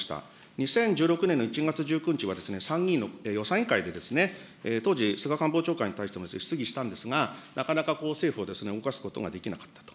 ２０１６年の１月１９日は参議院の予算委員会で、当時、菅官房長官に対しても質疑したんですが、なかなか政府を動かすことができなかったと。